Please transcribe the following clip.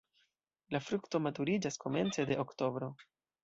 La frukto maturiĝas komence de oktobro.